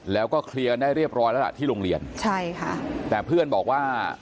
แล้วก็เคลียร์ได้เรียบร้อยแล้วล่ะที่โรงเรียนใช่ค่ะแต่เพื่อนบอกว่า